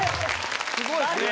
すごいですね。